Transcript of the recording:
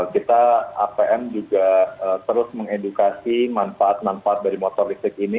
kita apm juga terus mengedukasi manfaat manfaat dari motor listrik ini